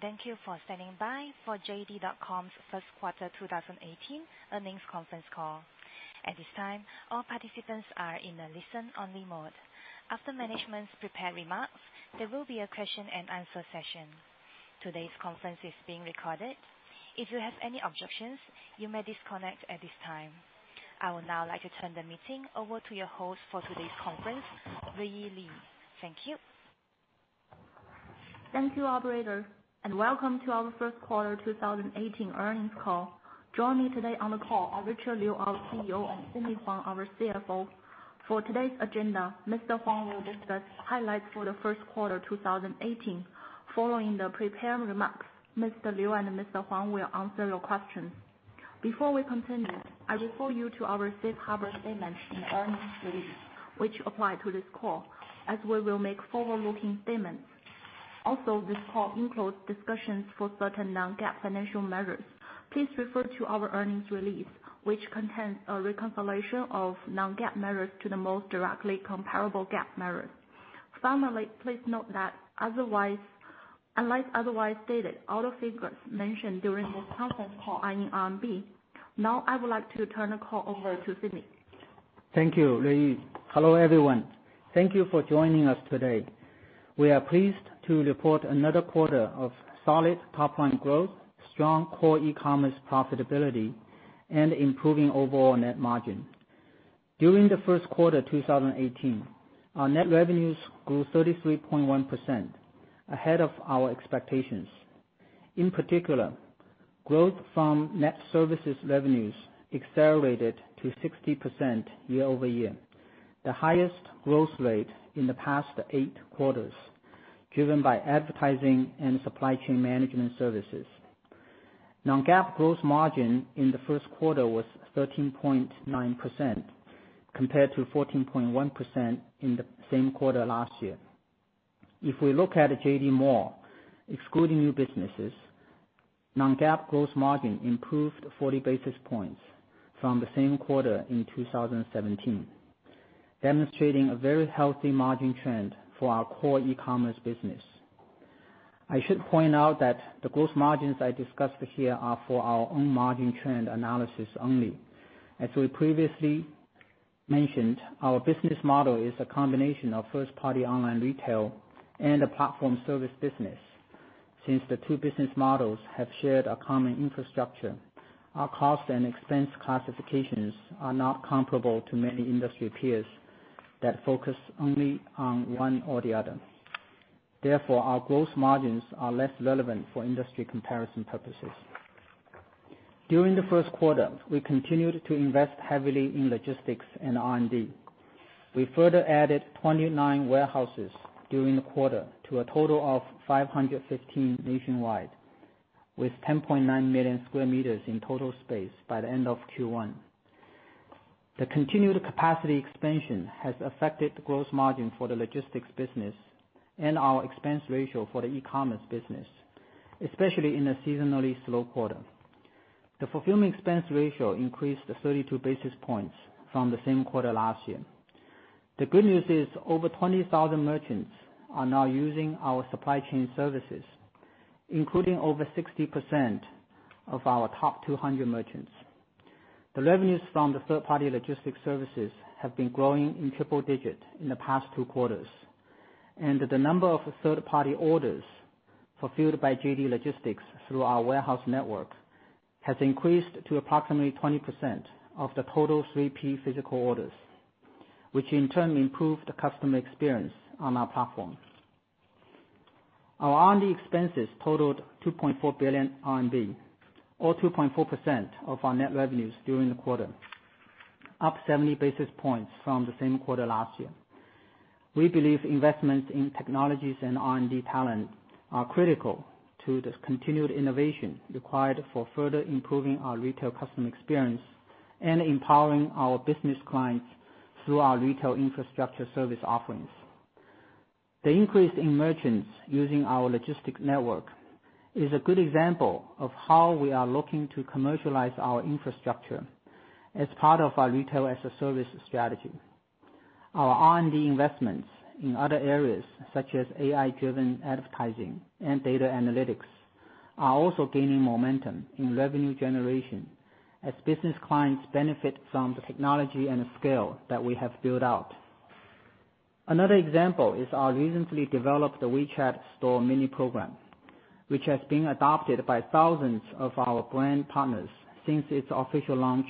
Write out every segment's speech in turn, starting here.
Thank you for standing by for JD.com's first quarter 2018 earnings conference call. At this time, all participants are in a listen-only mode. After management's prepared remarks, there will be a question and answer session. Today's conference is being recorded. If you have any objections, you may disconnect at this time. I would now like to turn the meeting over to your host for today's conference, Ruiyu Li. Thank you. Thank you, operator, welcome to our first quarter 2018 earnings call. Joining me today on the call are Richard Liu, our CEO, and Sidney Huang, our CFO. For today's agenda, Mr. Huang will discuss highlights for the first quarter 2018. Following the prepared remarks, Mr. Liu and Mr. Huang will answer your questions. Before we continue, I refer you to our Safe Harbor statement in the earnings release, which apply to this call, as we will make forward-looking statements. Also, this call includes discussions for certain non-GAAP financial measures. Please refer to our earnings release, which contains a reconciliation of non-GAAP measures to the most directly comparable GAAP measures. Finally, please note that unless otherwise stated, all the figures mentioned during this conference call are in RMB. I would like to turn the call over to Sidney. Thank you, Ruiyu Li. Hello, everyone. Thank you for joining us today. We are pleased to report another quarter of solid top-line growth, strong core e-commerce profitability, and improving overall net margin. During the first quarter 2018, our net revenues grew 33.1%, ahead of our expectations. In particular, growth from net services revenues accelerated to 60% year-over-year, the highest growth rate in the past eight quarters, driven by advertising and supply chain management services. non-GAAP growth margin in the first quarter was 13.9%, compared to 14.1% in the same quarter last year. If we look at JD Mall, excluding new businesses, non-GAAP growth margin improved 40 basis points from the same quarter in 2017, demonstrating a very healthy margin trend for our core e-commerce business. I should point out that the growth margins I discussed here are for our own margin trend analysis only. As we previously mentioned, our business model is a combination of first-party online retail and a platform service business. Since the two business models have shared a common infrastructure, our cost and expense classifications are not comparable to many industry peers that focus only on one or the other. Therefore, our growth margins are less relevant for industry comparison purposes. During the first quarter, we continued to invest heavily in logistics and R&D. We further added 29 warehouses during the quarter to a total of 515 nationwide, with 10.9 million sq m in total space by the end of Q1. The continued capacity expansion has affected the growth margin for the logistics business and our expense ratio for the e-commerce business, especially in a seasonally slow quarter. The fulfillment expense ratio increased 32 basis points from the same quarter last year. The good news is over 20,000 merchants are now using our supply chain services, including over 60% of our top 200 merchants. The revenues from the third-party logistics services have been growing in triple digits in the past two quarters, and the number of third-party orders fulfilled by JD Logistics through our warehouse network has increased to approximately 20% of the total 3P physical orders, which in turn improved the customer experience on our platforms. Our R&D expenses totaled 2.4 billion RMB, or 2.4% of our net revenues during the quarter, up 70 basis points from the same quarter last year. We believe investments in technologies and R&D talent are critical to the continued innovation required for further improving our retail customer experience and empowering our business clients through our retail infrastructure service offerings. The increase in merchants using our logistics network is a good example of how we are looking to commercialize our infrastructure as part of our Retail as a Service strategy. Our R&D investments in other areas, such as AI-driven advertising and data analytics, are also gaining momentum in revenue generation as business clients benefit from the technology and scale that we have built out. Another example is our recently developed WeChat store Mini Program, which has been adopted by thousands of our brand partners since its official launch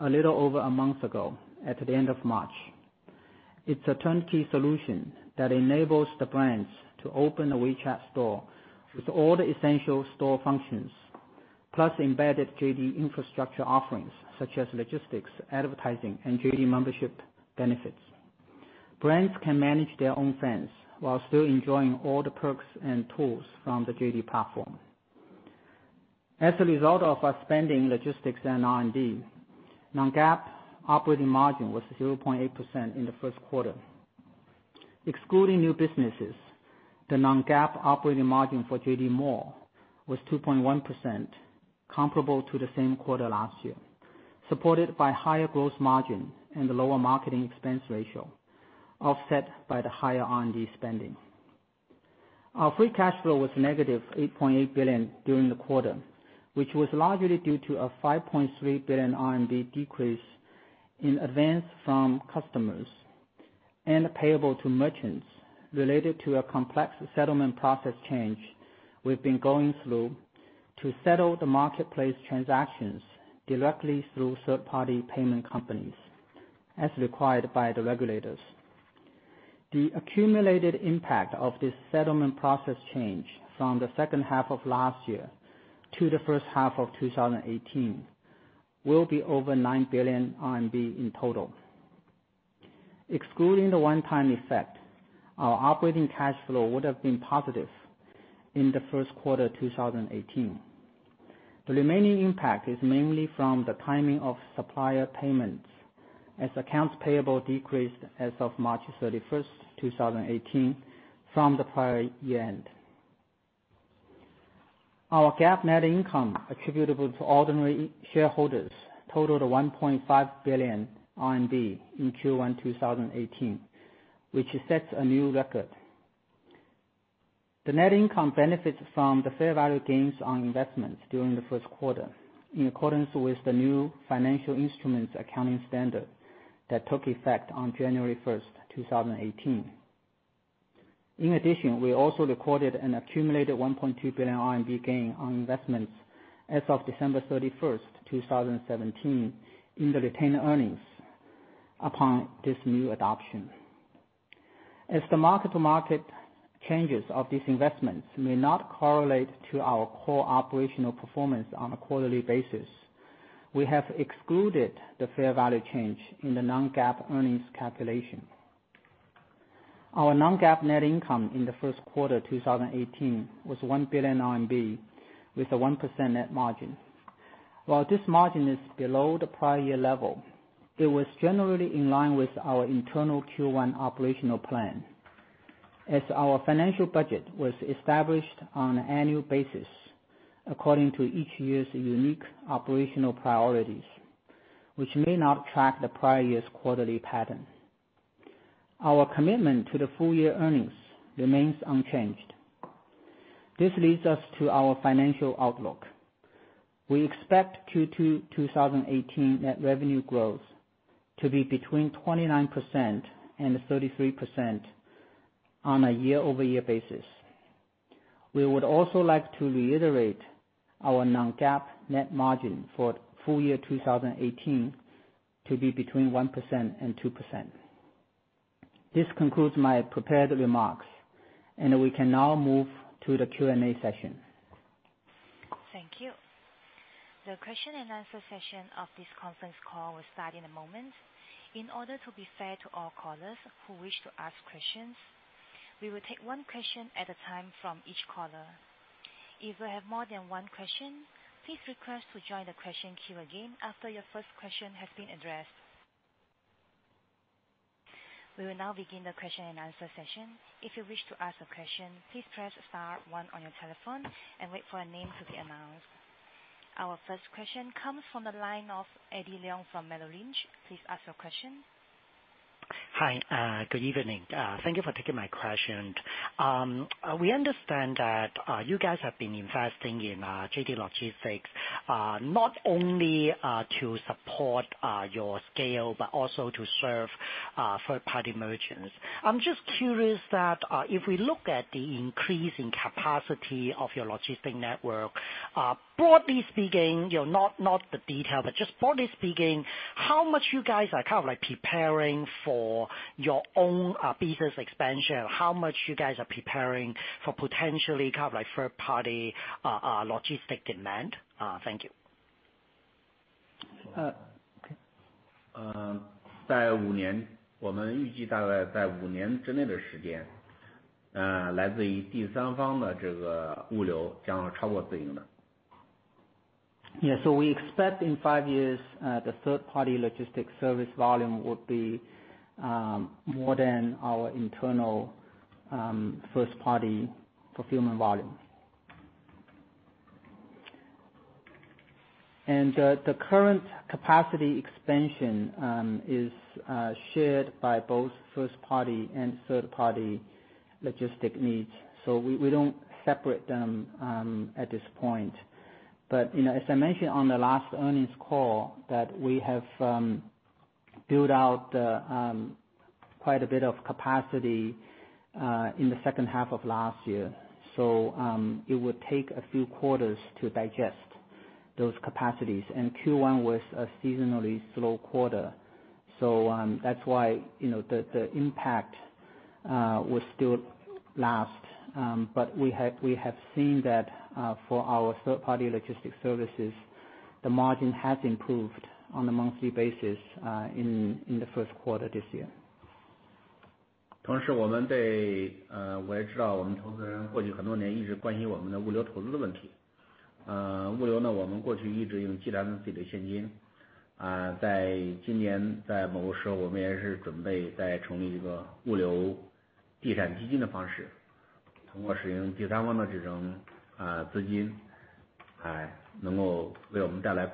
a little over a month ago at the end of March. It is a turnkey solution that enables the brands to open a WeChat store with all the essential store functions, plus embedded JD infrastructure offerings such as logistics, advertising, and JD membership benefits. Brands can manage their own fans while still enjoying all the perks and tools from the JD platform. As a result of our spending logistics and R&D, non-GAAP operating margin was 0.8% in the first quarter. Excluding new businesses, the non-GAAP operating margin for JD Mall was 2.1%, comparable to the same quarter last year, supported by higher growth margin and the lower marketing expense ratio, offset by the higher R&D spending. Our free cash flow was negative 8.8 billion during the quarter, which was largely due to a 5.3 billion RMB decrease in advance from customers and payable to merchants related to a complex settlement process change we have been going through to settle the marketplace transactions directly through third-party payment companies as required by the regulators. The accumulated impact of this settlement process change from the second half of last year to the first half of 2018 will be over 9 billion RMB in total. Excluding the one-time effect, our operating cash flow would have been positive in the first quarter 2018. The remaining impact is mainly from the timing of supplier payments as accounts payable decreased as of March 31st, 2018, from the prior year-end. Our GAAP net income attributable to ordinary shareholders totaled 1.5 billion RMB in Q1 2018, which sets a new record. The net income benefits from the fair value gains on investments during the first quarter, in accordance with the new financial instruments accounting standard that took effect on January 1st, 2018. In addition, we also recorded an accumulated 1.2 billion RMB gain on investments as of December 31st, 2017, in the retained earnings upon this new adoption. As the market-to-market changes of these investments may not correlate to our core operational performance on a quarterly basis, we have excluded the fair value change in the non-GAAP earnings calculation. Our non-GAAP net income in the first quarter 2018 was 1 billion RMB with a 1% net margin. While this margin is below the prior year level, it was generally in line with our internal Q1 operational plan. As our financial budget was established on an annual basis according to each year's unique operational priorities, which may not track the prior year's quarterly pattern. Our commitment to the full-year earnings remains unchanged. This leads us to our financial outlook. We expect 2018 net revenue growth to be between 29% and 33% on a year-over-year basis. We would also like to reiterate our non-GAAP net margin for full-year 2018 to be between 1% and 2%. This concludes my prepared remarks, and we can now move to the Q&A session. Thank you. The question and answer session of this conference call will start in a moment. In order to be fair to all callers who wish to ask questions, we will take one question at a time from each caller. If you have more than one question, please request to join the question queue again after your first question has been addressed. We will now begin the question and answer session. If you wish to ask a question, please press star one on your telephone and wait for your name to be announced. Our first question comes from the line of Eddie Leung from Merrill Lynch. Please ask your question. Hi. Good evening. Thank you for taking my question. We understand that you guys have been investing in JD Logistics, not only to support your scale but also to serve third-party merchants. I'm just curious that, if we look at the increase in capacity of your logistics network, broadly speaking, not the detail, but just broadly speaking, how much you guys are preparing for your own business expansion? How much you guys are preparing for potentially third-party logistics demand? Thank you. We expect in five years, the third-party logistics service volume will be more than our internal first-party fulfillment volume. The current capacity expansion is shared by both first-party and third-party logistics needs. We don't separate them at this point. As I mentioned on the last earnings call, that we have built out quite a bit of capacity in the second half of last year. It would take a few quarters to digest those capacities. Q1 was a seasonally slow quarter, that's why the impact will still last. We have seen that for our third-party logistics services, the margin has improved on a monthly basis in the first quarter this year. 能够为我们带来更多的物流仓储的建设。We are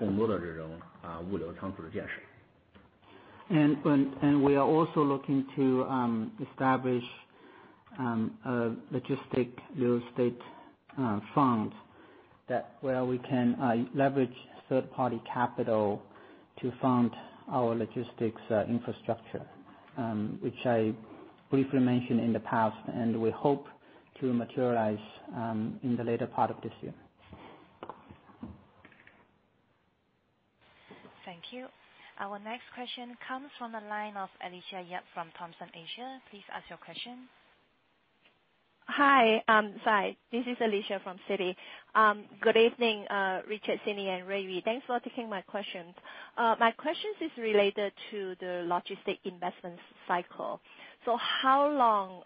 also looking to establish a logistic real estate fund where we can leverage third-party capital to fund our logistics infrastructure, which I briefly mentioned in the past, and we hope to materialize in the later part of this year. Thank you. Our next question comes from the line of Alicia Yap from Citi. Please ask your question. Hi. Sorry, this is Alicia from Citi. Good evening, Richard, Sidney and Ruiyu Li. Thanks for taking my questions. My question is related to the logistic investment cycle. How long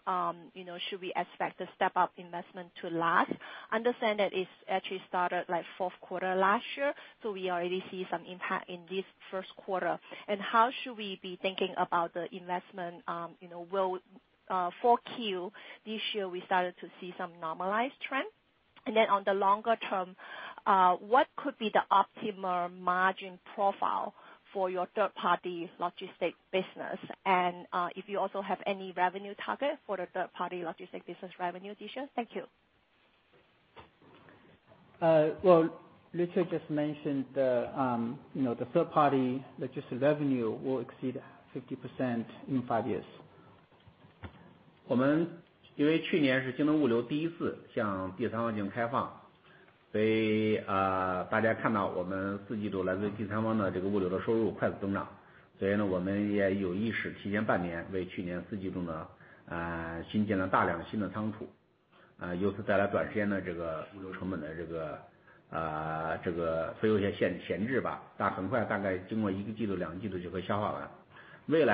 should we expect the step-up investment to last? Understand that it actually started fourth quarter last year, we already see some impact in this first quarter. How should we be thinking about the investment? Will 4Q this year, we started to see some normalized trend? On the longer term, what could be the optimal margin profile for your third-party logistics business? If you also have any revenue target for the third-party logistics business revenue addition. Thank you. Richard just mentioned the third-party logistics revenue will exceed 50% in five years. Right.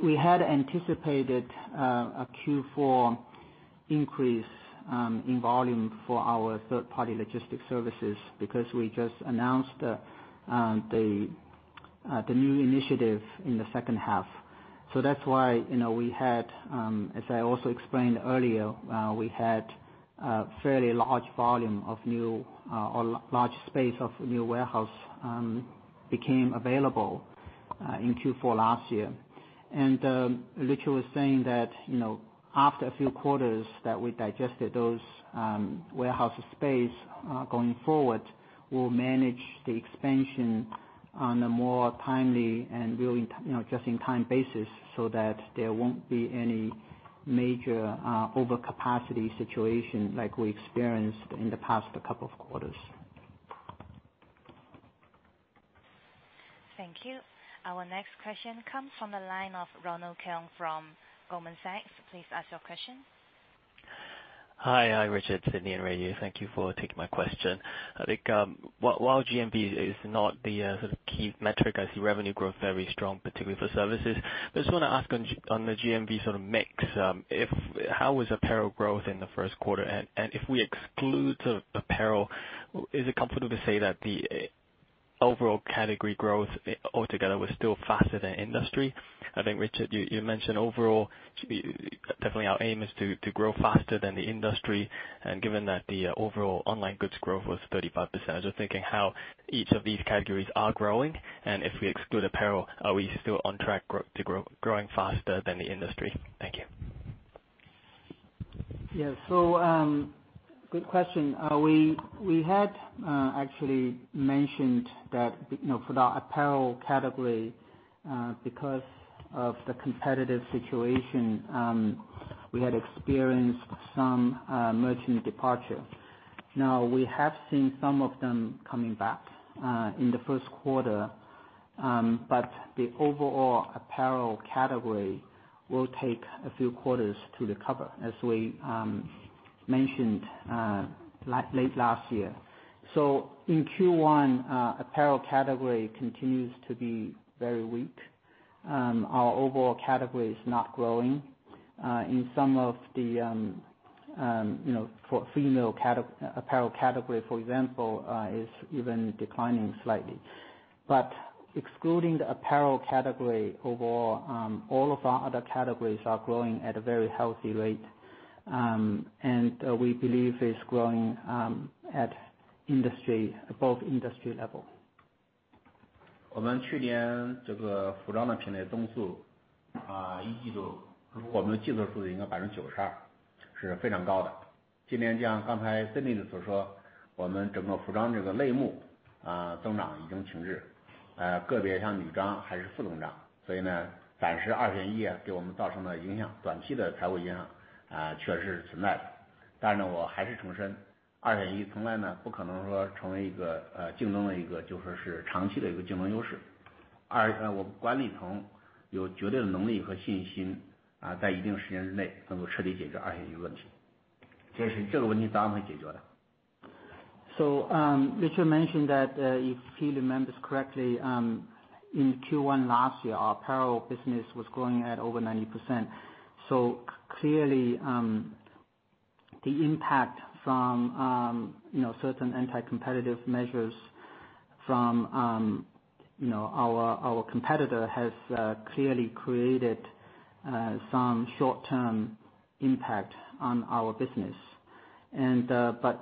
We had anticipated a Q4 increase in volume for our third-party logistics services because we just announced the new initiative in the second half. That's why, as I also explained earlier, we had a fairly large volume of new or large space of new warehouse become available in Q4 last year. Richard was saying that after a few quarters that we digested those warehouse space, going forward, we'll manage the expansion on a more timely and really just-in-time basis so that there won't be any major overcapacity situation like we experienced in the past couple of quarters. Thank you. Our next question comes from the line of Ronald Keung from Goldman Sachs. Please ask your question. Hi, Richard, Sidney and Lei. Thank you for taking my question. I think while GMV is not the sort of key metric, I see revenue growth very strong, particularly for services. I just want to ask on the GMV sort of mix, how was apparel growth in the first quarter? If we exclude sort of apparel, is it comfortable to say that the overall category growth altogether was still faster than industry? I think, Richard, you mentioned overall, definitely our aim is to grow faster than the industry, and given that the overall online goods growth was 35%, I was just thinking how each of these categories are growing. If we exclude apparel, are we still on track to growing faster than the industry? Thank you. Yeah. Good question. We had actually mentioned that for the apparel category, because of the competitive situation, we had experienced some merchant departure. Now, we have seen some of them coming back in the first quarter. The overall apparel category will take a few quarters to recover, as we mentioned late last year. In Q1, apparel category continues to be very weak. Our overall category is not growing. In some of the female apparel category, for example, is even declining slightly. Excluding the apparel category overall, all of our other categories are growing at a very healthy rate. We believe it's growing above industry level. 我们去年服装的品类增速，一季度我们的季度数应该92%，是非常高的。今年像刚才Sidney所说，我们整个服装这个类目增长已经停滞，个别像女装还是负增长。所以暂时二选一给我们造成的影响，短期的财务影响确实是存在的。但是我还是重申，二选一从来不可能说成为竞争的一个长期的竞争优势。我们管理层有绝对的能力和信心，在一定时间之内能够彻底解决二选一问题，这个问题当然会解决的。Richard mentioned that, if he remembers correctly, in Q1 last year, our apparel business was growing at over 90%. Clearly, the impact from certain anti-competitive measures from our competitor has clearly created some short-term impact on our business.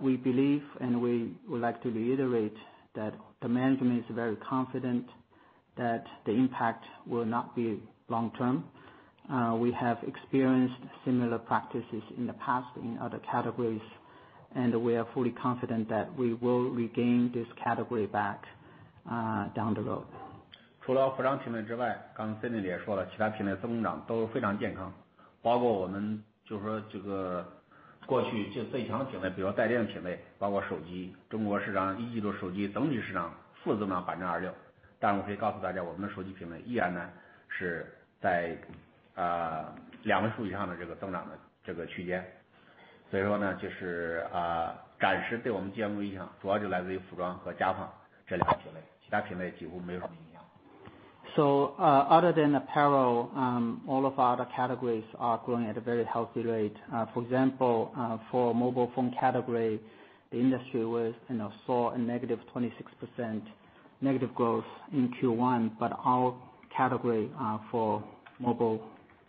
We believe, and we would like to reiterate, that the management is very confident that the impact will not be long-term. We have experienced similar practices in the past in other categories, and we are fully confident that we will regain this category back down the road. Other than apparel, all of our other categories are growing at a very healthy rate. For example, for mobile phone category, the industry saw a negative 26% growth in Q1, but our category for mobile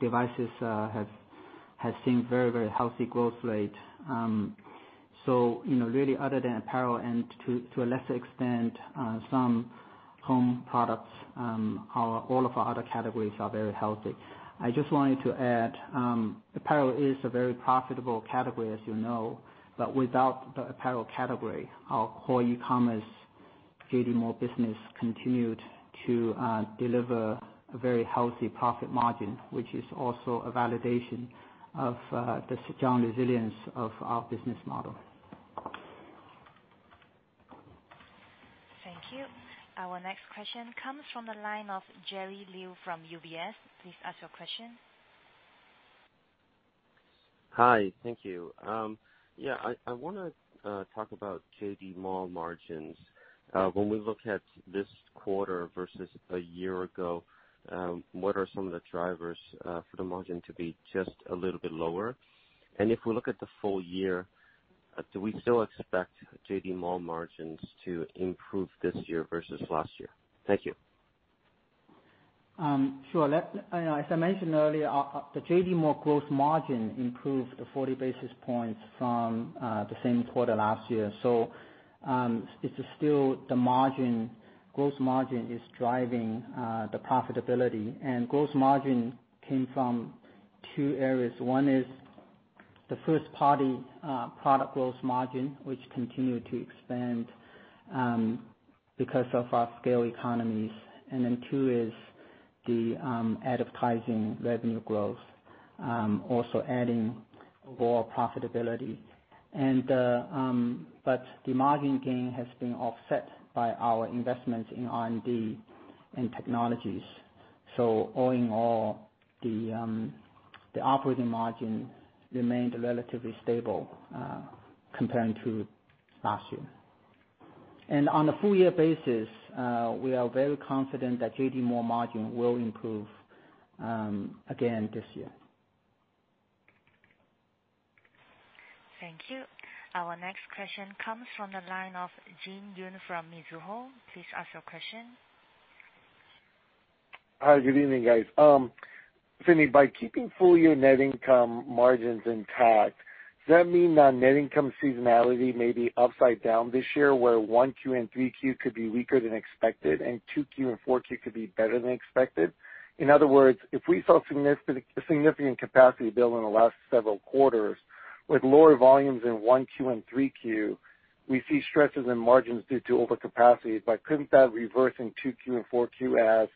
devices has seen very healthy growth rate. Really other than apparel, and to a lesser extent, some home products, all of our other categories are very healthy. I just wanted to add, apparel is a very profitable category as you know, without the apparel category, our core e-commerce JD Mall business continued to deliver a very healthy profit margin, which is also a validation of the strong resilience of our business model. Thank you. Our next question comes from the line of Jerry Liu from UBS. Please ask your question. Hi. Thank you. I want to talk about JD Mall margins. When we look at this quarter versus a year ago, what are some of the drivers for the margin to be just a little bit lower? If we look at the full year, do we still expect JD Mall margins to improve this year versus last year? Thank you. Sure. As I mentioned earlier, the JD Mall gross margin improved 40 basis points from the same quarter last year. It's still the gross margin is driving the profitability. Gross margin came from two areas. One is the first-party product gross margin, which continued to expand because of our scale economies. Two is the advertising revenue growth also adding overall profitability. The margin gain has been offset by our investments in R&D and technologies. All in all, the operating margin remained relatively stable comparing to last year. On a full year basis, we are very confident that JD Mall margin will improve again this year. Thank you. Our next question comes from the line of Gene Yoon from Mizuho. Please ask your question. Hi, good evening guys. Vincent, by keeping full year net income margins intact, does that mean that net income seasonality may be upside down this year, where 1Q and 3Q could be weaker than expected, and 2Q and 4Q could be better than expected? In other words, if we saw significant capacity build in the last several quarters with lower volumes in 1Q and 3Q, we see stresses in margins due to overcapacity. Couldn't that reverse in 2Q and 4Q as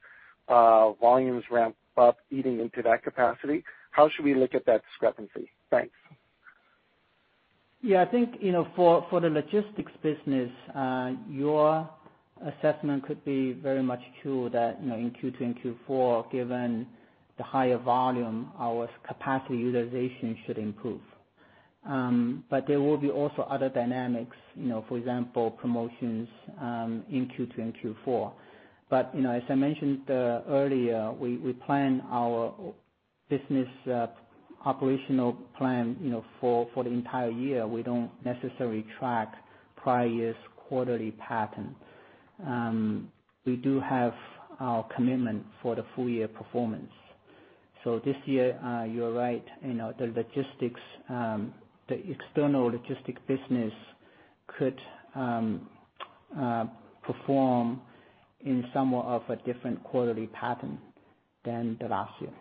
volumes ramp up eating into that capacity? How should we look at that discrepancy? Thanks. I think, for the logistics business, your assessment could be very much true that in Q2 and Q4, given the higher volume, our capacity utilization should improve. There will be also other dynamics, for example, promotions in Q2 and Q4. As I mentioned earlier, we plan our business operational plan for the entire year. We don't necessarily track prior year's quarterly pattern. We do have our commitment for the full year performance. This year, you are right. The external logistics business could perform in somewhat of a different quarterly pattern than the last year.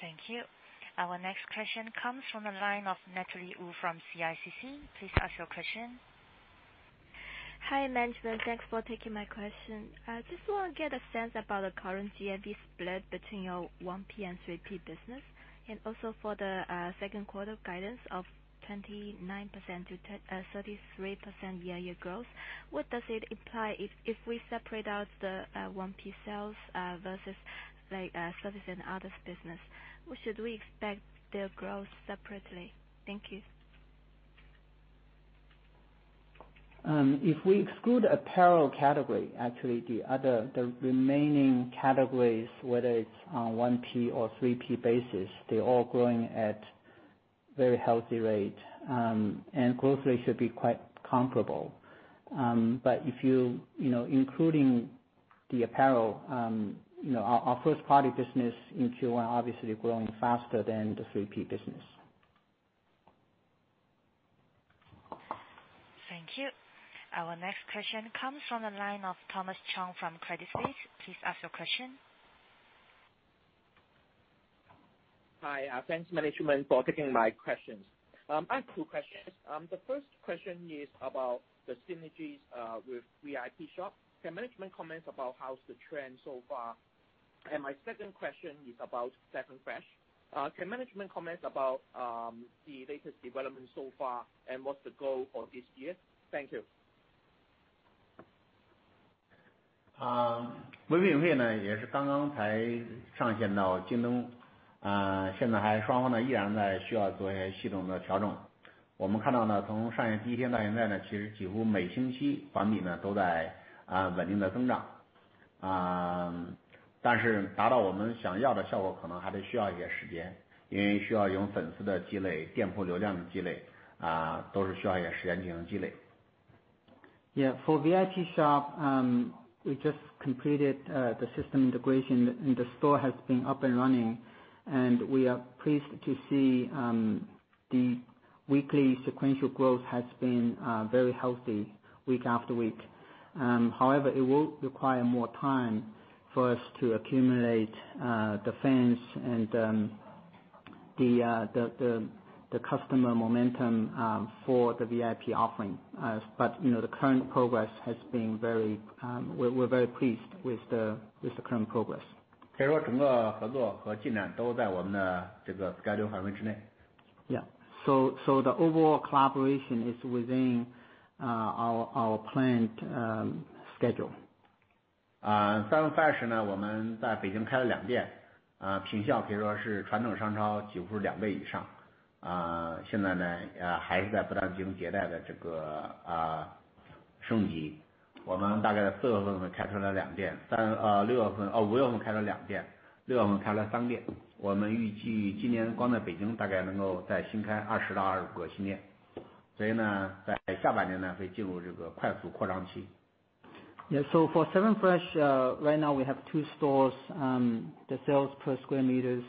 Thank you. Our next question comes from the line of Natalie Wu from CICC. Please ask your question. Hi, management. Thanks for taking my question. I just want to get a sense about the current GMV split between your 1P and 3P business. Also for the second quarter guidance of 29%-33% year-on-year growth, what does it imply if we separate out the 1P sales versus service and others business? Should we expect their growth separately? Thank you. If we exclude apparel category, actually the remaining categories, whether it is on 1P or 3P basis, they are all growing at very healthy rate, and closely should be quite comparable. Including the apparel, our first-party business in Q1 obviously growing faster than the 3P business. Thank you. Our next question comes from the line of Thomas Chung from Credit Suisse. Please ask your question. Hi. Thanks, management, for taking my questions. I have two questions. The first question is about the synergies with Vipshop. Can management comment about how's the trend so far? My second question is about 7Fresh. Can management comment about the latest development so far, and what's the goal for this year? Thank you. For Vipshop, we just completed the system integration, and the store has been up and running, and we are pleased to see the weekly sequential growth has been very healthy week after week. However, it will require more time for us to accumulate the fans and the customer momentum for the VIP offering. We're very pleased with the current progress. The overall collaboration is within our planned schedule. For 7Fresh, right now we have two stores. The sales per square meters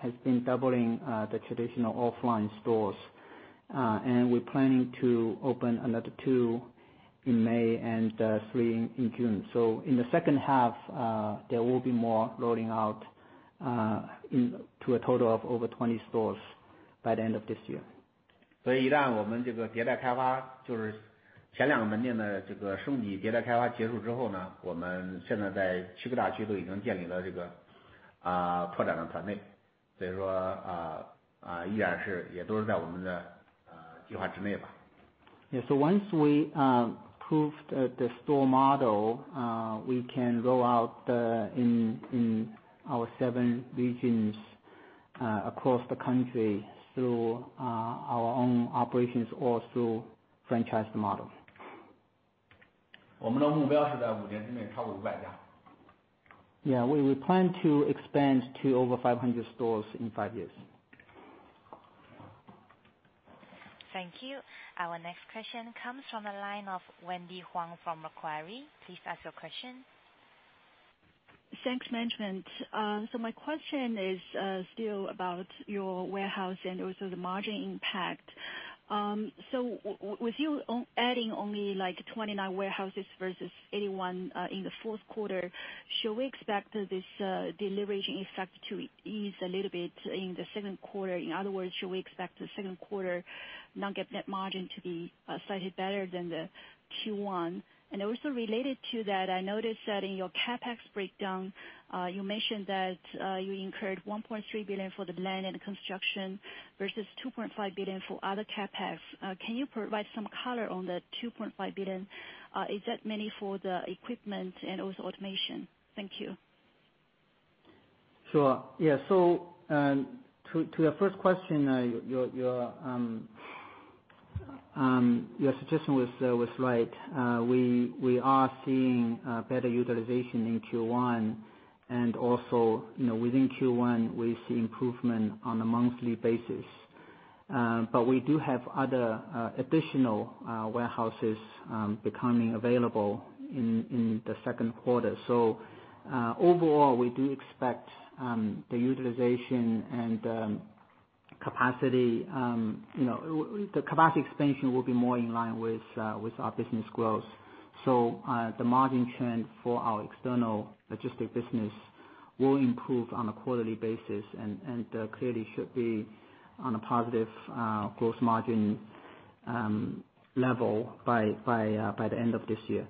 has been doubling the traditional offline stores. We're planning to open another two in May and three in June. In the second half, there will be more rolling out to a total of over 20 stores by the end of this year. Once we prove the store model, we can roll out in our seven regions across the country through our own operations or through franchise model. We plan to expand to over 500 stores in five years. Thank you. Our next question comes from the line of Wendy Huang from Macquarie. Please ask your question. Thanks, management. My question is still about your warehouse and also the margin impact. With you adding only 29 warehouses versus 81 in the fourth quarter, should we expect this de-leveraging effect to ease a little bit in the second quarter? In other words, should we expect the second quarter non-GAAP net margin to be slightly better than the Q1? Also related to that, I noticed that in your CapEx breakdown, you mentioned that you incurred 1.3 billion for the land and construction versus 2.5 billion for other CapEx. Can you provide some color on the 2.5 billion? Is that mainly for the equipment and also automation? Thank you. Sure. Yeah. To your first question, your suggestion was right. We are seeing better utilization in Q1 and also within Q1 we see improvement on a monthly basis. We do have other additional warehouses becoming available in the second quarter. Overall, we do expect the utilization and the capacity expansion will be more in line with our business growth. The margin trend for our external logistic business will improve on a quarterly basis and clearly should be on a positive growth margin level by the end of this year.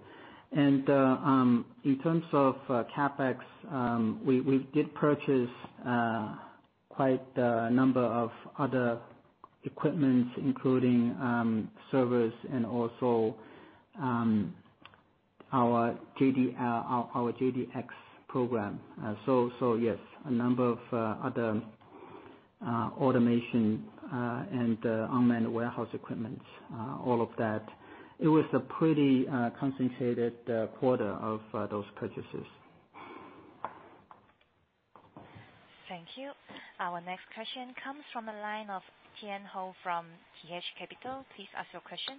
In terms of CapEx, we did purchase quite a number of other equipments, including servers and also our JD X program. Yes, a number of other automation and unmanned warehouse equipment, all of that. It was a pretty concentrated quarter of those purchases. Thank you. Our next question comes from the line of Tian Hou from TH Capital. Please ask your question.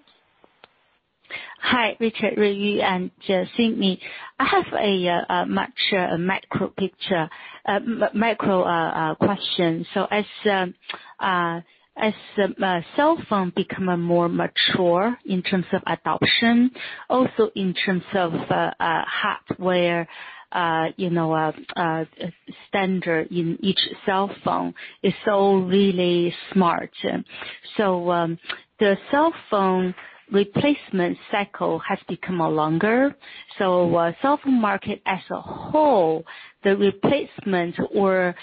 Hi, Richard, Rui, and Xinming. I have a much micro question. As cellphone become more mature in terms of adoption, also in terms of hardware, standard in each cell phone is so really smart. The cellphone replacement cycle has become longer. Cellphone market as a whole, the replacement or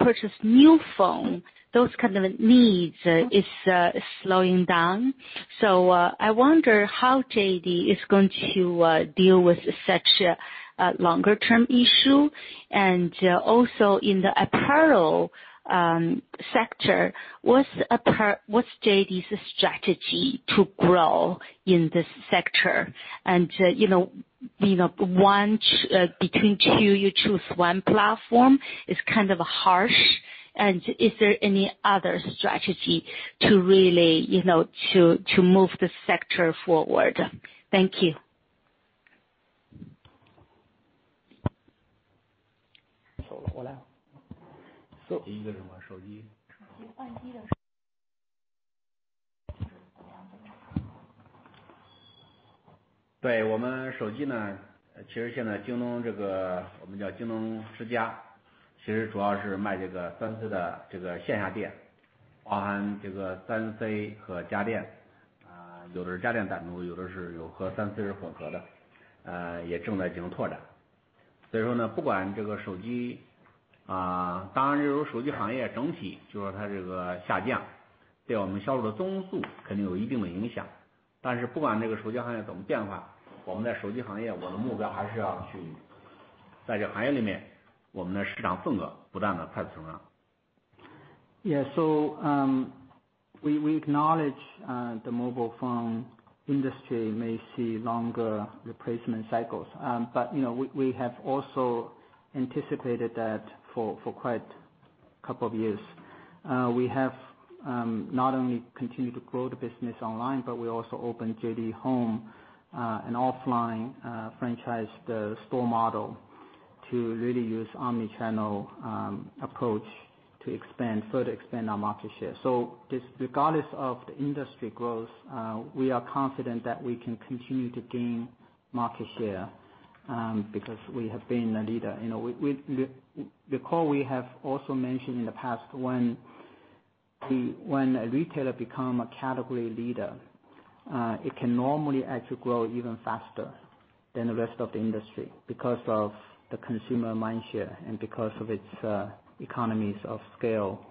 purchase new phone, those kind of needs is slowing down. I wonder how JD is going to deal with such a longer-term issue. Also in the apparel sector, what's JD's strategy to grow in this sector? Between two, you choose one platform is kind of harsh. Is there any other strategy to really move this sector forward? Thank you. We acknowledge the mobile phone industry may see longer replacement cycles. We have also anticipated that for quite a couple of years. We have not only continued to grow the business online, but we also opened JD Home, an offline franchised store model to really use omni-channel approach to further expand our market share. Regardless of the industry growth, we are confident that we can continue to gain market share because we have been a leader. You recall we have also mentioned in the past when a retailer become a category leader, it can normally actually grow even faster than the rest of the industry because of the consumer mind share and because of its economies of scale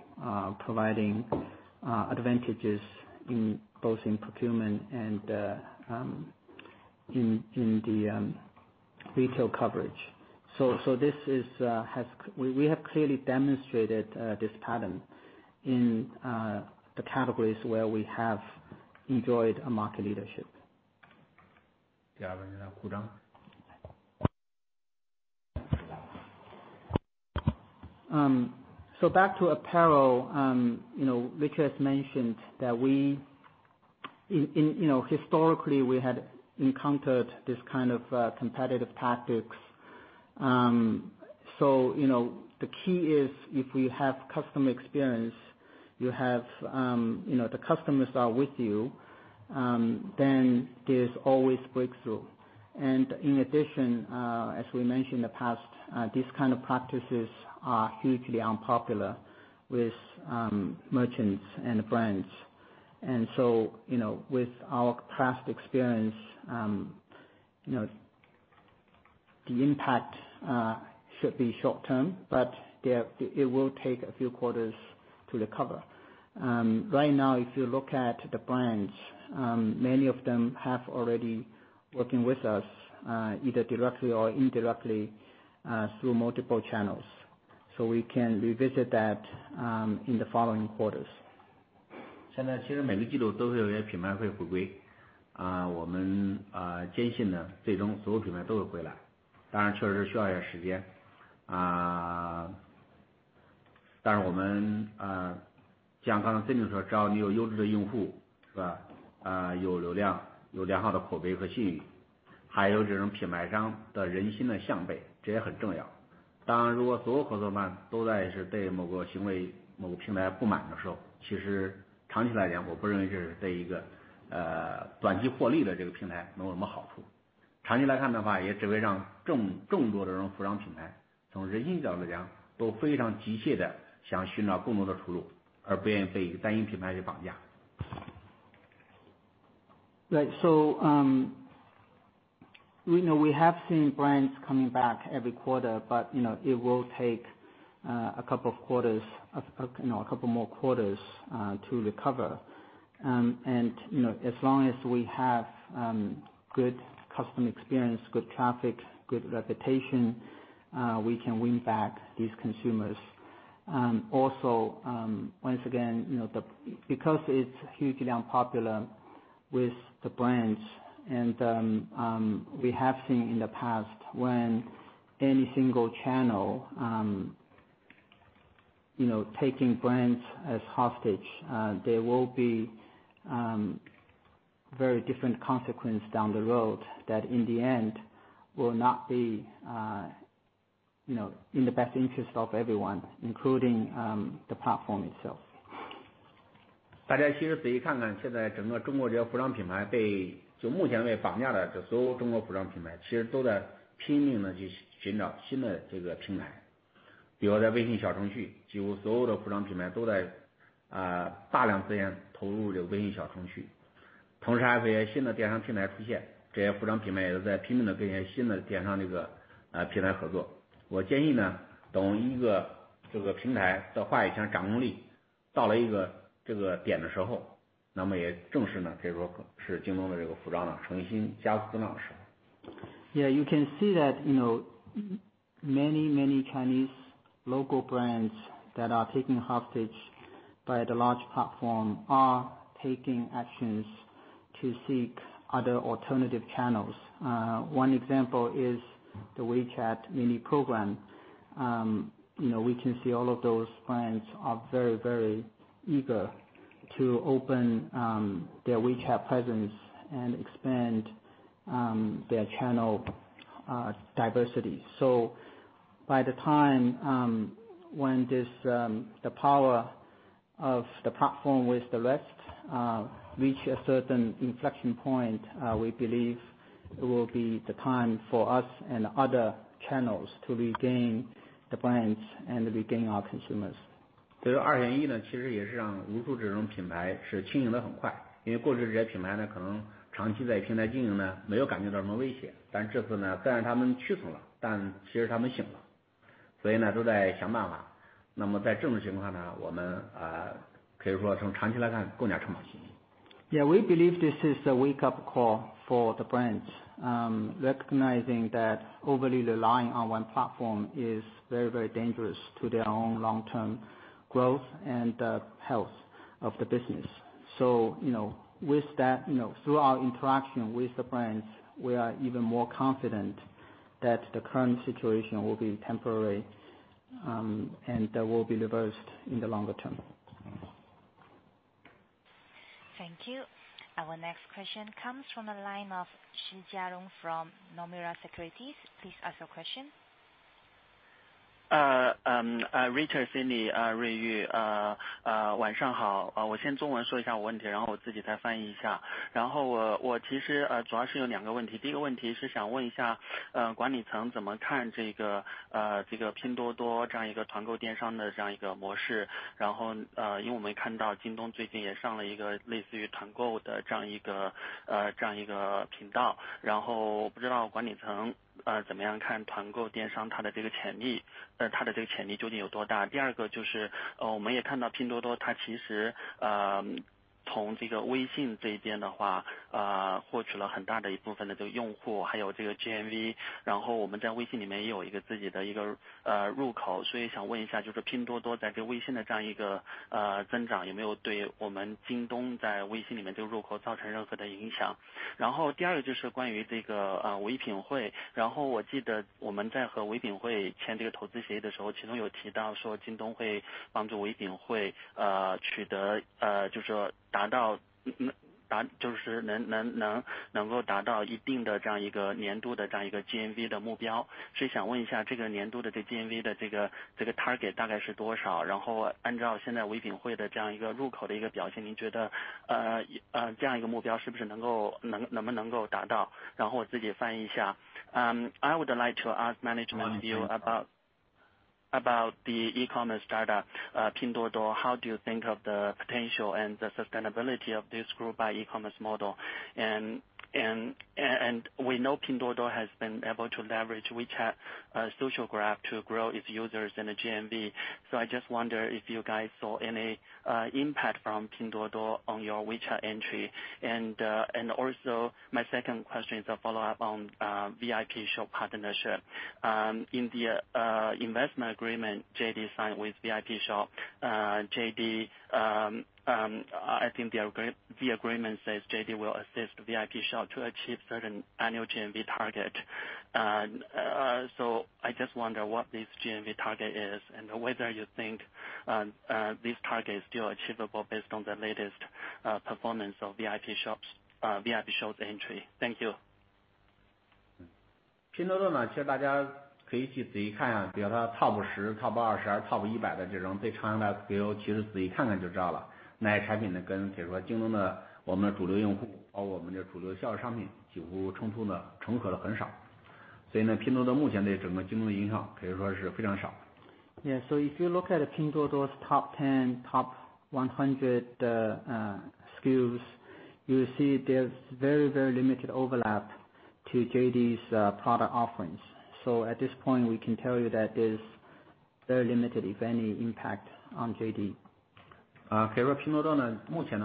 providing advantages both in procurement and in the retail coverage. We have clearly demonstrated this pattern in the categories where we have enjoyed a market leadership. Back to apparel. Richard has mentioned that historically we had encountered this kind of competitive tactics. The key is if we have customer experience, the customers are with you, then there's always breakthrough. In addition, as we mentioned in the past, these kind of practices are hugely unpopular with merchants and brands. With our past experience, the impact should be short-term, but it will take a few quarters to recover. Right now, if you look at the brands, many of them have already working with us either directly or indirectly, through multiple channels. We can revisit that in the following quarters. Right. We have seen brands coming back every quarter, but it will take a couple more quarters to recover. As long as we have good customer experience, good traffic, good reputation, we can win back these consumers. Once again, because it's hugely unpopular with the brands, and we have seen in the past when any single channel taking brands as hostage, there will be very different consequences down the road that in the end will not be in the best interest of everyone, including the platform itself. 大家其实仔细看看，现在整个中国这些服装品牌，目前被绑架的所有中国服装品牌，其实都在拼命地去寻找新的平台。比如在微信小程序，几乎所有的服装品牌都在大量资源投入微信小程序。同时还有一些新的电商平台出现，这些服装品牌也在拼命地跟这些新的电商平台合作。我建议，等一个平台的话语权掌控力到了一个点的时候，也正是可以说京东的服装重新加速的时候。You can see that many Chinese local brands that are taken hostage by the large platform are taking actions to seek other alternative channels. One example is the WeChat Mini Program. We can see all of those brands are very eager to open their WeChat presence and expand their channel diversity. By the time when the power of the platform with the rest reach a certain inflection point, we believe it will be the time for us and other channels to regain the brands and regain our consumers. 这个二选一其实也是让无数这种品牌清醒得很快。因为过去这些品牌可能长期在平台经营，没有感觉到什么威胁。但这次虽然他们屈从了，但其实他们醒了，所以都在想办法。那么在这种情况下，我们可以说从长期来看，更加充满信心。We believe this is a wake-up call for the brands. Recognizing that overly relying on one platform is very dangerous to their own long-term growth and the health of the business. Through our interaction with the brands, we are even more confident that the current situation will be temporary, and that will be reversed in the longer term. Thank you. Our next question comes from the line of Jiarong Xu from Nomura Securities. Please ask your question. Richard, Sidney, 瑞昱。晚上好，我先中文说一下我问题，然后我自己再翻译一下。我其实主要是有两个问题。第一个问题是想问一下管理层怎么看拼多多这样一个团购电商的这样一个模式？因为我们看到京东最近也上了一个类似于团购的这样一个频道。不知道管理层怎么样看团购电商它的这个潜力究竟有多大。第二个就是我们也看到拼多多它其实从微信这边获取了很大一部分的用户，还有GMV，我们在微信里面也有一个自己的入口。所以想问一下，拼多多在微信的这样一个增长，有没有对我们京东在微信里面的入口造成任何的影响？第二个就是关于唯品会。我记得我们在和唯品会签这个投资协议的时候，其中有提到说京东会帮助唯品会能够达到一定的年度的GMV的目标。所以想问一下这个年度的GMV的target大概是多少？按照现在唯品会的这样一个入口的一个表现，您觉得这样一个目标能不能够达到？然后我自己翻译一下。I would like to ask management view about the e-commerce startup, Pinduoduo. How do you think of the potential and the sustainability of this group buying e-commerce model? We know Pinduoduo has been able to leverage WeChat social graph to grow its users and the GMV. I just wonder if you guys saw any impact from Pinduoduo on your WeChat entry. My second question is a follow-up on Vipshop partnership. In the investment agreement JD signed with Vipshop, I think the agreement says JD will assist Vipshop to achieve certain annual GMV target. I just wonder what this GMV target is and whether you think this target is still achievable based on the latest performance of Vipshop's entry. Thank you. 拼多多其实大家可以仔细看一下，比如它Top 10、Top 20、Top 100的这种最常用的SKU，其实仔细看看就知道了。哪些产品跟比如说京东的我们的主流用户，包括我们的主流商品，几乎冲突的重合得很少。所以拼多多目前对整个京东的影响可以说是非常少。If you look at Pinduoduo's top 10, top 100 SKUs, you'll see there's very limited overlap to JD's product offerings. At this point, we can tell you that there's very limited, if any, impact on JD. If you look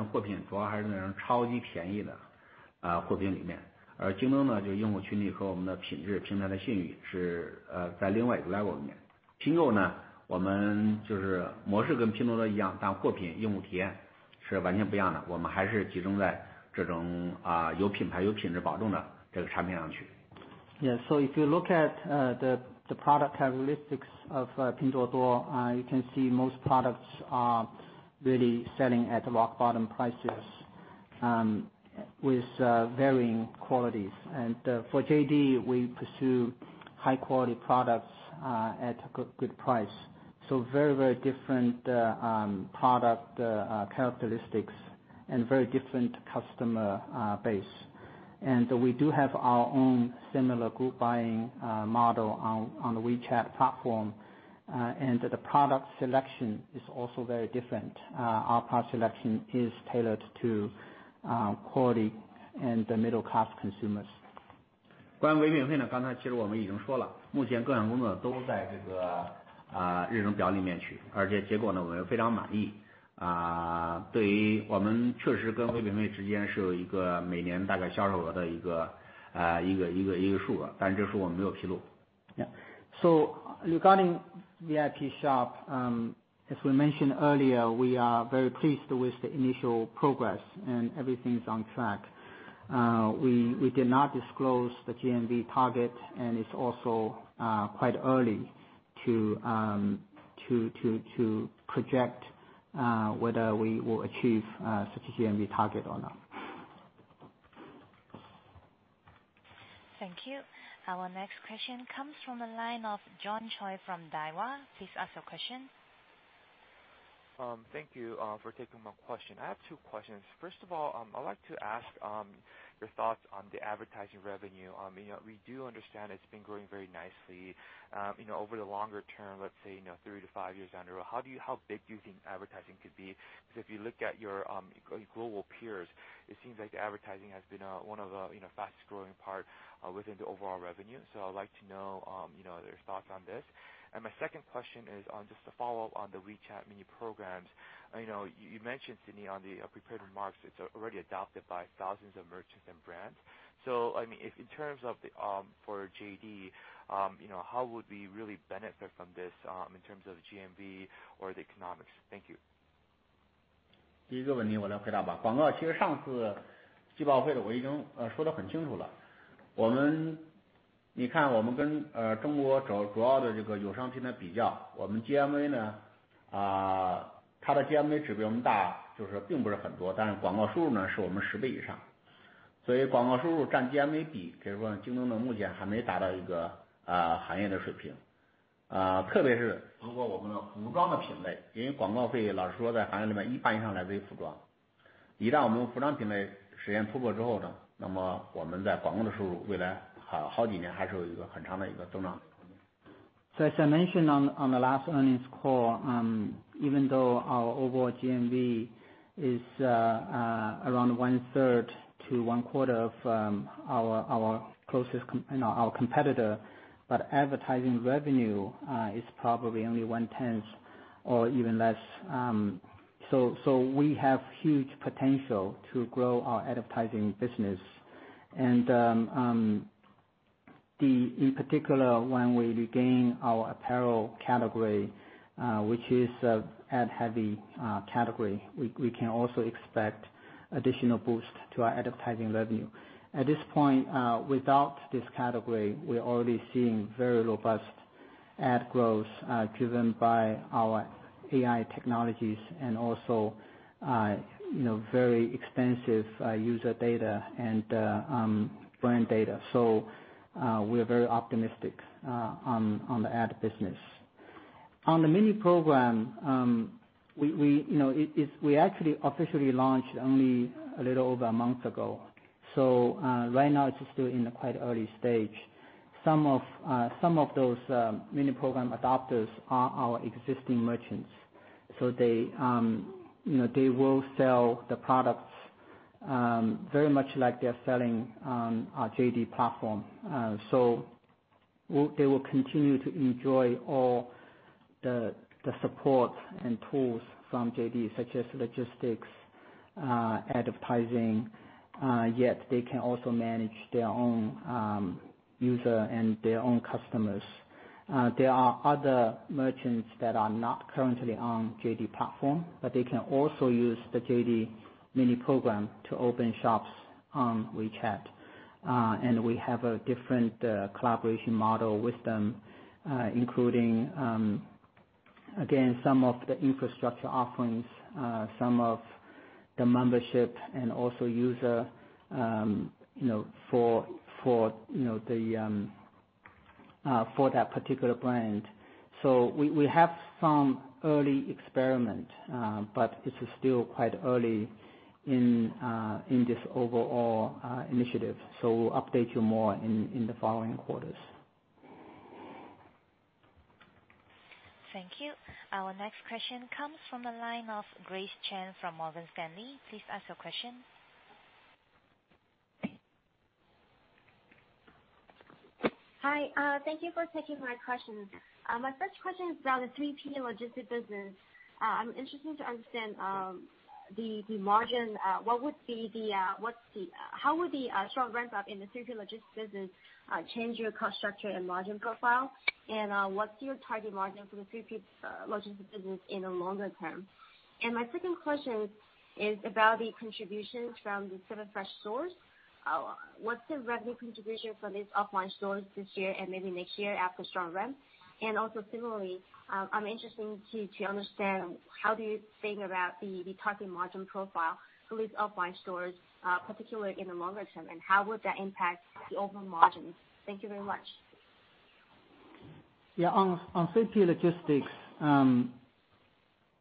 at the product characteristics of Pinduoduo, you can see most products are really selling at rock bottom prices with varying qualities. For JD, we pursue high-quality products at a good price. Very different product characteristics and very different customer base. We do have our own similar group buying model on the WeChat platform. The product selection is also very different. Our product selection is tailored to quality and the middle-class consumers. Regarding Vipshop, as we mentioned earlier, we are very pleased with the initial progress and everything's on track. We did not disclose the GMV target, and it's also quite early to project whether we will achieve such a GMV target or not. Thank you. Our next question comes from the line of John Choi from Daiwa. Please ask your question. Thank you for taking my question. I have two questions. First of all, I'd like to ask your thoughts on the advertising revenue. We do understand it's been growing very nicely. Over the longer term, let's say, three to five years down the road, how big do you think advertising could be? If you look at your global peers, it seems like advertising has been one of the fastest-growing part within the overall revenue. I'd like to know your thoughts on this. My second question is on just a follow-up on the WeChat Mini Programs. You mentioned, Sidney, on the prepared remarks, it's already adopted by thousands of merchants and brands. In terms of for JD, how would we really benefit from this in terms of GMV or the economics? Thank you. As I mentioned on the last earnings call, even though our overall GMV is around one third to one quarter of our competitor, but advertising revenue is probably only one tenth or even less. We have huge potential to grow our advertising business. In particular, when we regain our apparel category, which is ad heavy category, we can also expect additional boost to our advertising revenue. At this point, without this category, we're already seeing very robust ad growth driven by our AI technologies and also very extensive user data and brand data. We are very optimistic on the ad business. On the Mini Program, we actually officially launched only a little over a month ago. Right now it's still in the quite early stage. Some of those Mini Program adopters are our existing merchants. They will sell the products very much like they are selling on our JD platform. They will continue to enjoy all the support and tools from JD, such as logistics, advertising, yet they can also manage their own user and their own customers. There are other merchants that are not currently on JD platform, but they can also use the JD Mini Program to open shops on WeChat. We have a different collaboration model with them, including, again, some of the infrastructure offerings, some of the membership and also user for that particular brand. We have some early experiment, but this is still quite early in this overall initiative. We will update you more in the following quarters. Thank you. Our next question comes from the line of Grace Chen from Morgan Stanley. Please ask your question. Hi. Thank you for taking my question. My first question is about the 3PL logistic business. I'm interested to understand the margin. How would the strong ramp-up in the 3PL logistic business change your cost structure and margin profile? What's your target margin for the 3PL logistic business in the longer term? My second question is about the contributions from the 7Fresh stores. What's the revenue contribution from these offline stores this year and maybe next year after strong ramp? Also similarly, I'm interested to understand how do you think about the target margin profile for these offline stores, particularly in the longer term, and how would that impact the overall margins? Thank you very much. On 3PL logistics,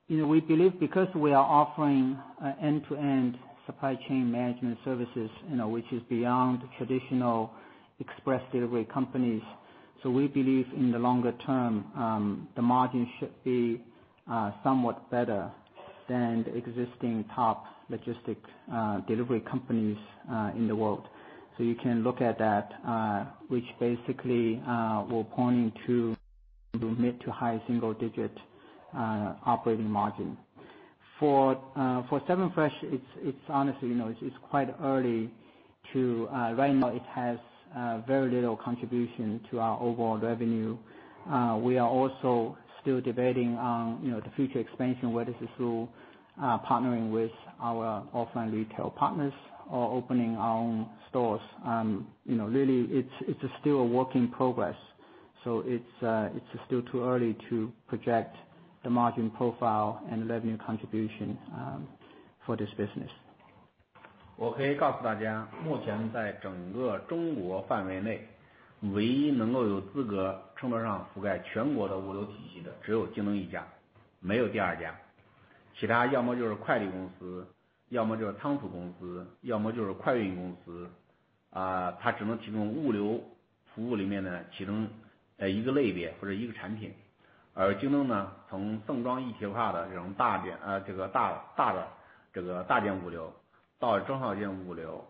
we believe because we are offering end-to-end supply chain management services, which is beyond traditional express delivery companies, we believe in the longer term, the margin should be somewhat better than existing top logistic delivery companies in the world. You can look at that which basically will point to mid to high single-digit operating margin. For 7Fresh, honestly, it's quite early. Right now, it has very little contribution to our overall revenue. We are also still debating on the future expansion, whether it's through partnering with our offline retail partners or opening our own stores. Really, it's still a work in progress. It's still too early to project the margin profile and revenue contribution for this business. JD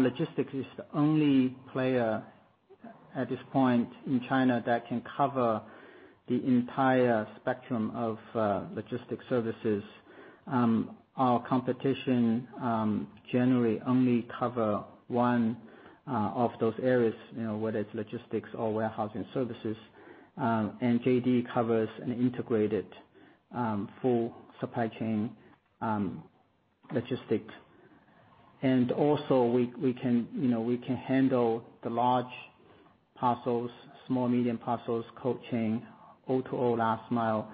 Logistics is the only player at this point in China that can cover the entire spectrum of logistics services. Our competition generally only cover one of those areas, whether it's logistics or warehousing services. JD covers an integrated full supply chain logistics. We can handle the large parcels, small, medium parcels, cold chain, O2O last mile.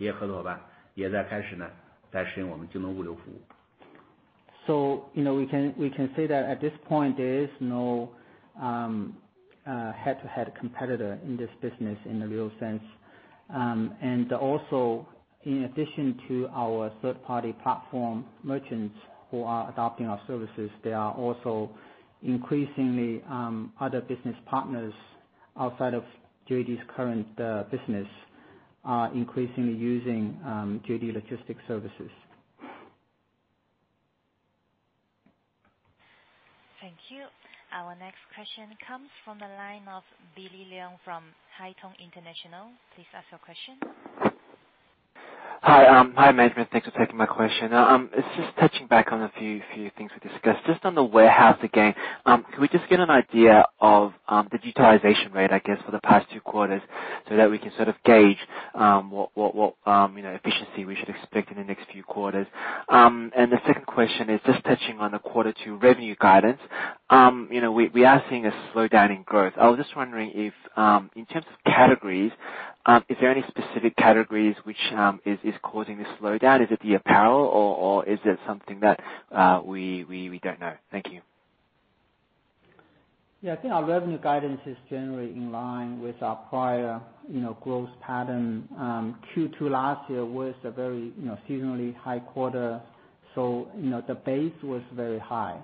We are the only comprehensive service providers for logistics services in China. We can say that at this point, there is no head-to-head competitor in this business in the real sense. In addition to our third-party platform merchants who are adopting our services, there are also increasingly other business partners outside of JD's current business are increasingly using JD Logistics services. Thank you. Our next question comes from the line of Billy Leung from Haitong International. Please ask your question. Hi management, thanks for taking my question. It's just touching back on a few things we discussed. Just on the warehouse again, can we just get an idea of the utilization rate, I guess, for the past two quarters so that we can sort of gauge what efficiency we should expect in the next few quarters? The second question is just touching on the quarter two revenue guidance. We are seeing a slowdown in growth. I was just wondering if, in terms of categories, is there any specific categories which is causing the slowdown? Is it the apparel or is it something that we don't know? Thank you. Yeah, I think our revenue guidance is generally in line with our prior growth pattern. Q2 last year was a very seasonally high quarter, the base was very high.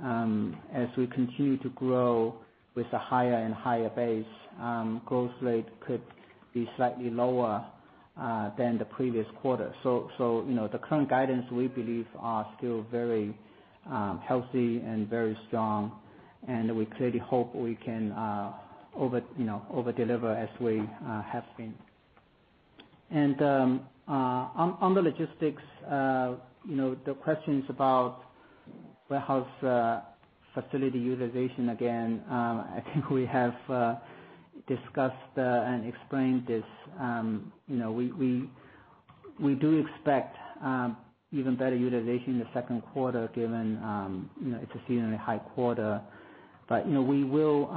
As we continue to grow with a higher and higher base, growth rate could be slightly lower than the previous quarter. The current guidance, we believe, are still very healthy and very strong, and we clearly hope we can over-deliver as we have been. On the logistics, the questions about warehouse facility utilization again, I think we have discussed and explained this. We do expect even better utilization in the second quarter, given it's a seasonally high quarter. We will,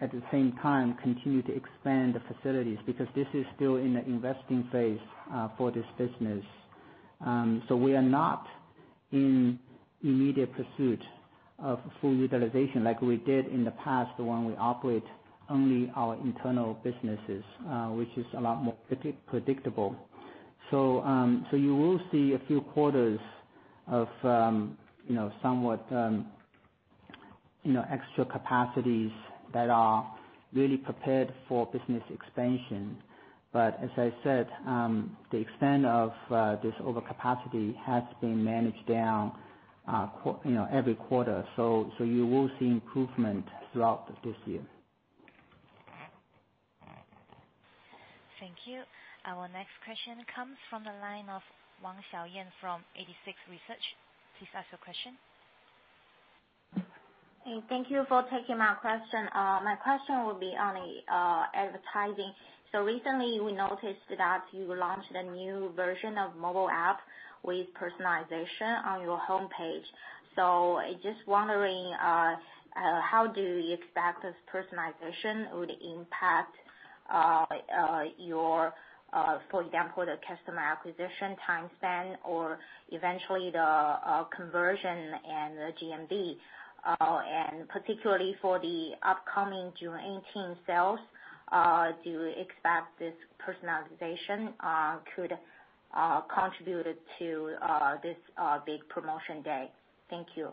at the same time, continue to expand the facilities because this is still in the investing phase for this business. We are not in immediate pursuit of full utilization like we did in the past when we operate only our internal businesses, which is a lot more predictable. You will see a few quarters of somewhat extra capacities that are really prepared for business expansion. As I said, the extent of this overcapacity has been managed down every quarter. You will see improvement throughout this year. Thank you. Our next question comes from the line of Xiao Yan Wang from 86Research Ltd. Please ask your question. Thank you for taking my question. My question will be on advertising. Recently we noticed that you launched a new version of mobile app with personalization on your homepage. Just wondering, how do you expect this personalization would impact your, for example, the customer acquisition time spent or eventually the conversion and the GMV? Particularly for the upcoming June 18 sales, do you expect this personalization could contribute to this big promotion day? Thank you.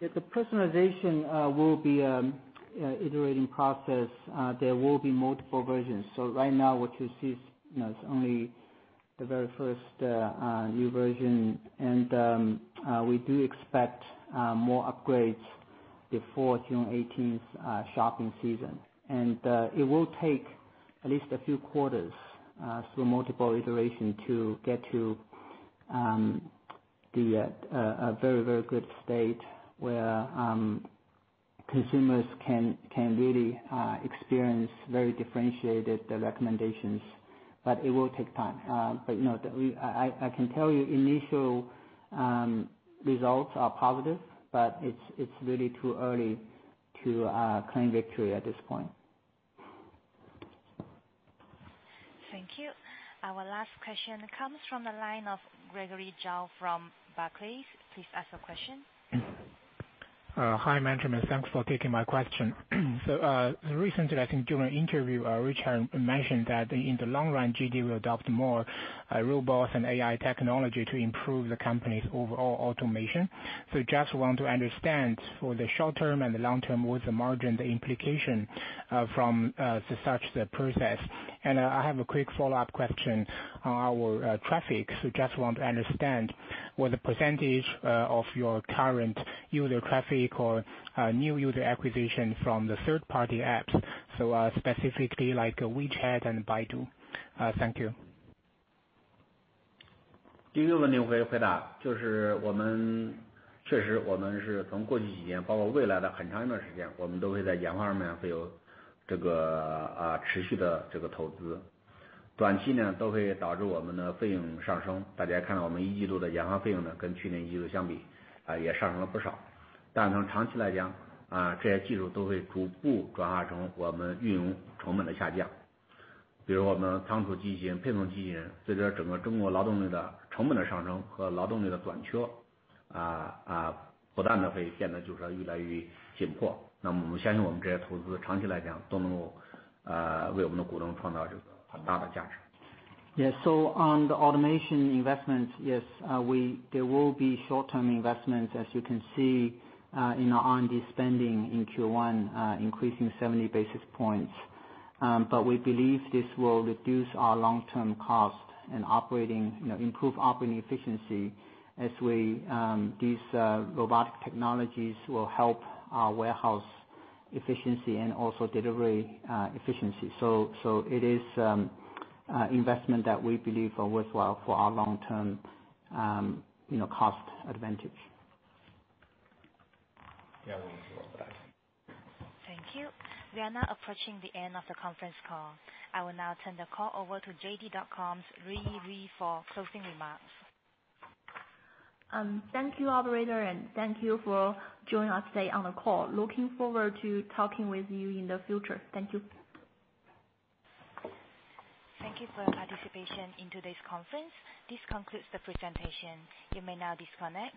The personalization will be an iterating process. There will be multiple versions. Right now what you see is only the very first new version. We do expect more upgrades before June 18th shopping season. It will take at least a few quarters through multiple iterations to get to a very, very good state where consumers can really experience very differentiated recommendations. It will take time. I can tell you initial results are positive, but it is really too early to claim victory at this point. Thank you. Our last question comes from the line of Gregory Zhao from Barclays. Please ask your question. Hi, management. Thanks for taking my question. Recently, I think during an interview, Richard mentioned that in the long run, JD will adopt more robots and AI technology to improve the company's overall automation. Just want to understand for the short term and the long term, what's the margin, the implication from such a process? I have a quick follow-up question on our traffic. Just want to understand what the % of your current user traffic or new user acquisition from the third-party apps. Specifically like WeChat and Baidu. Thank you. On the automation investments, yes, there will be short-term investments, as you can see in our R&D spending in Q1 increasing 70 basis points. We believe this will reduce our long-term costs and improve operating efficiency as these robotic technologies will help our warehouse efficiency and also delivery efficiency. It is investment that we believe are worthwhile for our long-term cost advantage. We will throw it back. Thank you. We are now approaching the end of the conference call. I will now turn the call over to JD.com's Rui for closing remarks. Thank you, operator, and thank you for joining us today on the call. Looking forward to talking with you in the future. Thank you. Thank you for your participation in today's conference. This concludes the presentation. You may now disconnect.